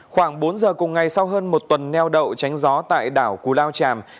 khoảng bốn h cùng ngày sau hơn một tuần neo đậu tránh gió tại đảo cú lao tràm